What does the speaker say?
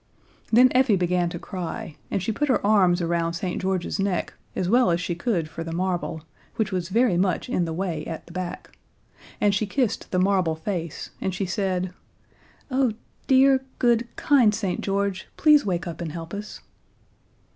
Then Effie began to cry, and she put her arms around St. George's neck as well as she could for the marble, which was very much in the way at the back, and she kissed the marble face, and she said: "Oh, dear, good, kind St. George, please wake up and help us."